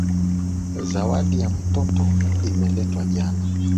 Zawadi ya mtoto imeletwa jana.